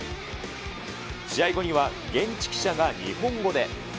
試合後には、現地記者が日本語で。